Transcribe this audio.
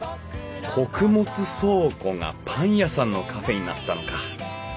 穀物倉庫がパン屋さんのカフェになったのか。